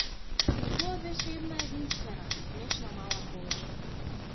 Но тоа беше една единствена, смешна мала кола.